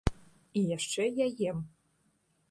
І яшчэ я ем.